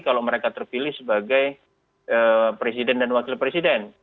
kalau mereka terpilih sebagai presiden dan wakil presiden